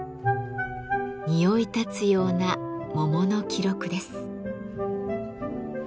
匂いたつような桃の記録です。